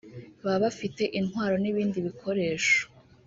Baba bafite intwaro n’ibindi bikoresho